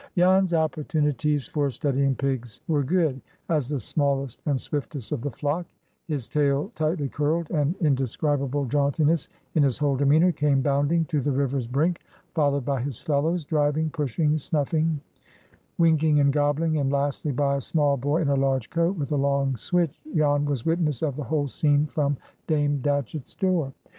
Jan's opportunities for studying pigs were good. As the smallest and swiftest of the flock, his tail tightly curled, and indescribable jauntiness in his whole demeanor, came bounding to the river's brink, followed by his fellows, driving, pushing, snuffing, winking, and gobbling, and lastly by a small boy in a large coat, with a long switch, Jan was witness of the whole scene from Dame Datchett's door.